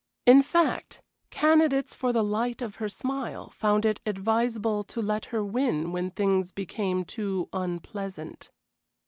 In fact, candidates for the light of her smile found it advisable to let her win when things became too unpleasant.